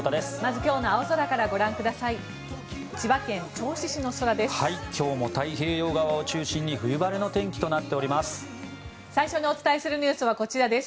今日も太平洋側を中心に冬晴れの天気となっています。